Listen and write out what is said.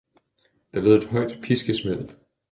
Der lød et højt piskesmæld.